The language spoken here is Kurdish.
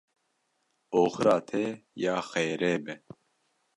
Oxira te ya xêrê be.